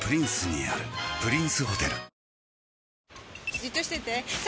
じっとしてて３！